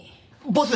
ボス。